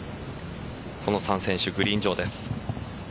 この３選手、グリーン上です。